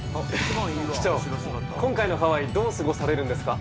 機長今回のハワイどう過ごされるんですか？